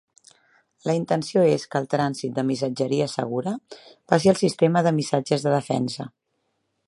La intenció és que el trànsit de missatgeria segura passi al sistema de missatges de defensa.